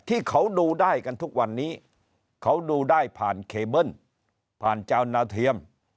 ที่เขาดูได้กันทุกวันนี้เขาดูได้ผ่านเคเบิ้ลผ่านเจ้านาเทียม